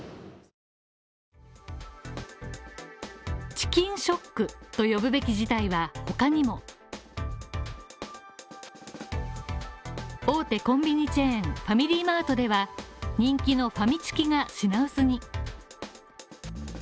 チキンショックと呼ぶべき事態は他にも、大手コンビニチェーンファミリーマートでは、人気のファミチキが品薄に。